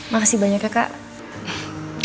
makasih banyak ya kak